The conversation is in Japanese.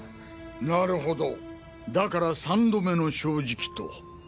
なるほどだから三度目の正直と。